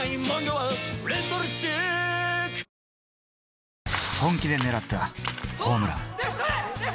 この打球は、本気で狙ったホームラン。